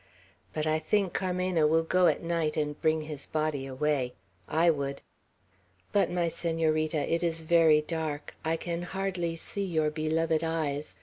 But I think Carmena will go at night and bring his body away. I would! But, my Senorita, it is very dark, I can hardly see your beloved eyes.